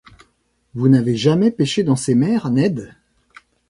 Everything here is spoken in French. Vous n’avez jamais pêché dans ces mers, Ned ?